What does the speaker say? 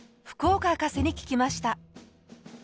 福岡博士に聞きました。